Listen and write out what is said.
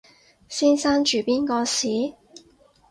先生住邊個巿？